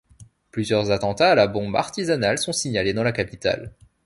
Plusieurs attentats à la bombe artisanale sont signalés dans la capitale.